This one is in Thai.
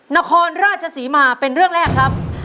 นครราชศรีมาเป็นเรื่องแรกครับ